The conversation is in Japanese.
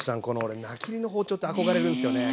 俺菜切りの包丁って憧れるんですよね。